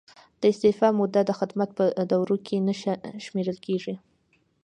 د استعفا موده د خدمت په دوره کې نه شمیرل کیږي.